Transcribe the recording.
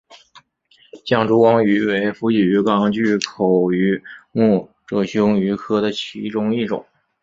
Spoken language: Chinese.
象烛光鱼为辐鳍鱼纲巨口鱼目褶胸鱼科的其中一种。